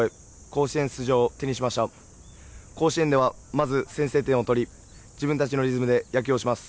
甲子園ではまず先制点を取り自分たちのリズムで野球をします。